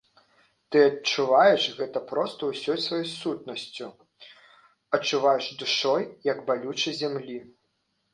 Ты адчуваеш гэта проста ўсёй сваёй сутнасцю, адчуваеш душой, як балюча зямлі.